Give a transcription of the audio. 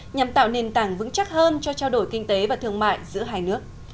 nhằm tạo nền tảng vững chắc hơn cho trao đổi kinh tế và thương mại giữa hai nước